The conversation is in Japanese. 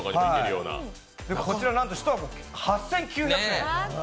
こちら、なんと１箱８９００円。